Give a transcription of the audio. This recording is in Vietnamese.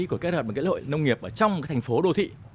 của kết hợp với lĩnh hội nông nghiệp ở trong thành phố đô thị